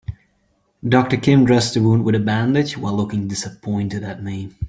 Doctor Kim dressed the wound with a bandage while looking disappointed at me.